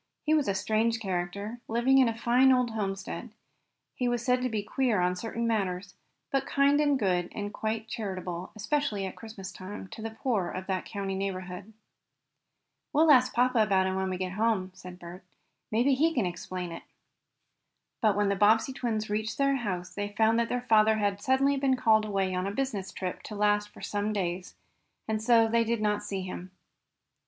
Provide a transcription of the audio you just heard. He was a strange character, living in a fine old homestead. He was said to be queer on certain matters, but kind and good, and quite charitable, especially at Christmas time, to the poor of that country neighborhood. "We'll ask papa about him when we get home," said Bert. "Maybe he can explain it." But when the Bobbsey twins reached their house they found that their father had suddenly been called away on a business trip to last for some days, and so they did not see him.